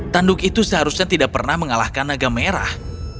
tanduk itu seharusnya tidak pernah mengalahkan naga merah